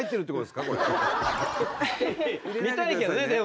見たいけどねでも。